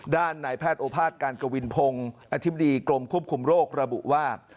นายแพทย์โอภาษย์การกวินพงศ์อธิบดีกรมควบคุมโรคระบุว่า